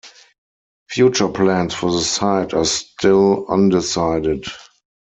Future plans for the site are still undecided.